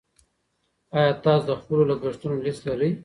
ایا تاسو د خپلو لګښتونو لیست لرئ.